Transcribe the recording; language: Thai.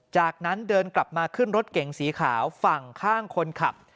จากนั้นเดินกลับมาขึ้นรถเก๋งสีขาวฝั่งข้างคนขับ